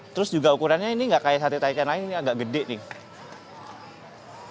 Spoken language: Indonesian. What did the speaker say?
terus juga ukurannya ini nggak kayak sate taikan lain ini agak gede nih